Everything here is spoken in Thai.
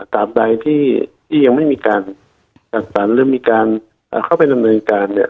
ตามใดที่ยังไม่มีการจัดสรรหรือมีการเข้าไปดำเนินการเนี่ย